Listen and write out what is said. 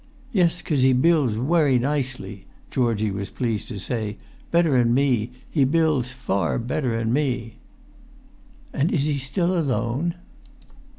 "Yes, 'cos he builds wery nicely," Georgie was pleased to say; "better'n me, he builds, far better'n me." "And is he still alone?"